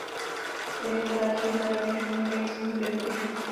Jeho bratři byli rovněž vynikajícími hudebníky.